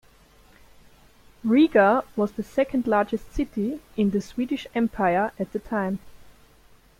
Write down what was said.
Riga was the second largest city in the Swedish Empire at the time.